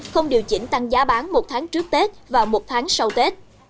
không điều chỉnh tăng giá bán một tháng trước tết và một tháng sau tết